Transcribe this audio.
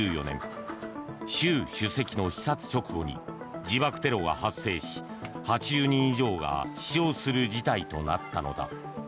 習主席の視察直後に自爆テロが発生し８０人以上が死傷する事態となったのだ。